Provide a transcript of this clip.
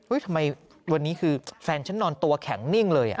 ทำไมวันนี้คือแฟนฉันนอนตัวแข็งนิ่งเลย